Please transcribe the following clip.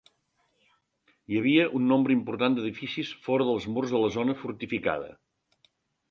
Hi havia un nombre important d'edificis fora dels murs de la zona fortificada.